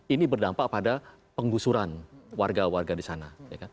ini berdampak pada penggusuran warga warga di sana